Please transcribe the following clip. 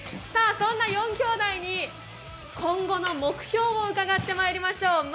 そんな４兄弟に今後の目標を伺ってまいりましょう。